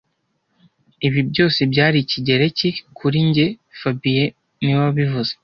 Ibi byose byari Ikigereki kuri njye fabien niwe wabivuze